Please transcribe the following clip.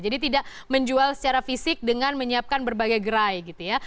jadi tidak menjual secara fisik dengan menyiapkan berbagai gerai gitu ya